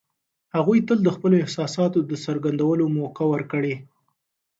هغوی ته د خپلو احساساتو د څرګندولو موقع ورکړئ.